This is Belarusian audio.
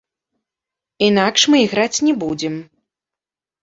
Інакш мы іграць не будзем.